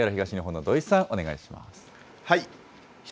ＪＲ東日本の土居さん、お願いします。